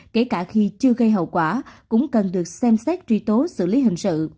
kể cả khi chưa gây hậu quả cũng cần được xem xét truy tố xử lý hình sự